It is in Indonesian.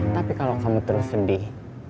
tapi kalau kamu terus sedih